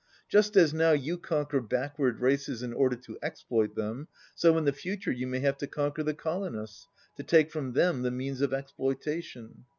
Just as now you conquer backward races in order to exploit them, so in the future you may have to conquer the colonists to take from them the means of exploita tion.